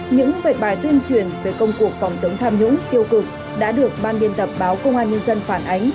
những vệch bài tuyên truyền về công cuộc phòng chống tham nhũng tiêu cực đã được ban biên tập báo công an nhân dân phản ánh